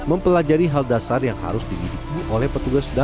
mempelajari hal dasar yang harus dimiliki oleh petugas